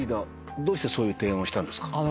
どうしてそういう提案をしたんですか？